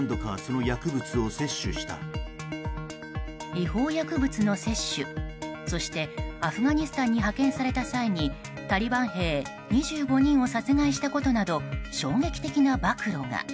違法薬物の摂取、そしてアフガニスタンに派遣された際にタリバン兵２５人を殺害したことなど衝撃的な暴露が。